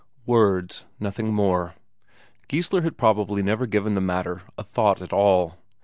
Words, nothing more. Geissler had probably never given the matter a thought at all.